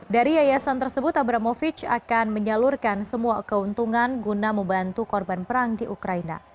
dari yayasan tersebut abramovic akan menyalurkan semua keuntungan guna membantu korban perang di ukraina